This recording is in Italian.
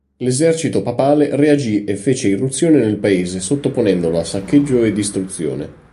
L’esercito papale reagì e fece irruzione nel paese sottoponendolo a saccheggio e distruzione.